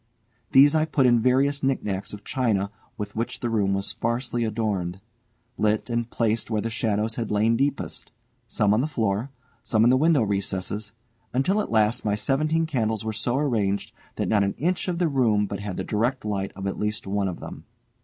These I put in various knick knacks of china with which the room was sparsely adorned, lit and placed where the shadows had lain deepest, some on the floor, some in the window recesses, until at last my seventeen candles were so arranged that not an inch of the room but had the direct light of at least one of them.